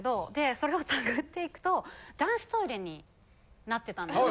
それをたぐって行くと男子トイレになってたんですよ